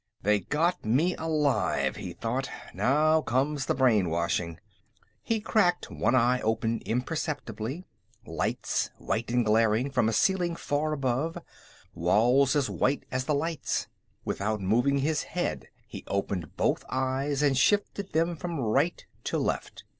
They got me alive, he thought; now comes the brainwashing! He cracked one eye open imperceptibly. Lights, white and glaring, from a ceiling far above; walls as white as the lights. Without moving his head, he opened both eyes and shifted them from right to left.